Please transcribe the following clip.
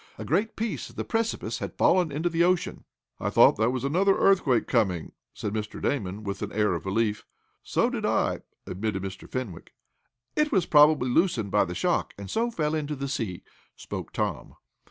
A great piece of the precipice had fallen into the ocean. "I thought that was another earthquake coming," said Mr. Damon, with an air of relief. "So did I," admitted Mr. Fenwick. "It was probably loosened by the shock, and so fell into the sea," spoke Tom.